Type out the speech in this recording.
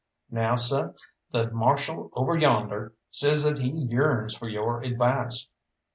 Now, seh, the Marshal over yonder says that he yearns for your advice."